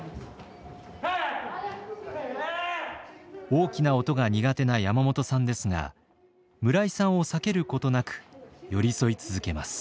大きな音が苦手な山本さんですが村井さんを避けることなく寄り添い続けます。